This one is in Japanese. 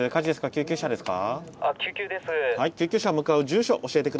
救急ですか？